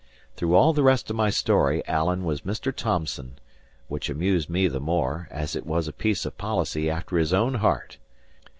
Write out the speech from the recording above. Through all the rest of my story Alan was Mr. Thomson; which amused me the more, as it was a piece of policy after his own heart.